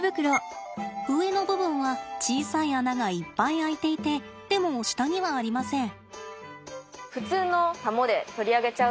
上の部分は小さい穴がいっぱい開いていてでも下にはありません。